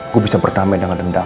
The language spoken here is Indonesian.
gue bisa berdamai dengan dendam